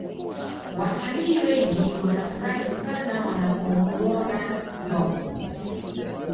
Wataliii wengi wanafurahi sana wanapomuona blob